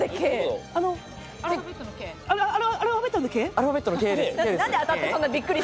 アルファベットのＫ？